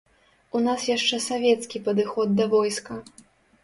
У нас яшчэ савецкі падыход да войска.